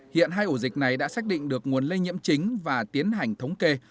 hiện hai ổ dịch này đã xác định được nguồn lây nhiễm chính và tiến hành thống kê